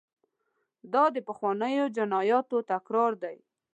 دا د پخوانیو جنایاتو تکرار دی.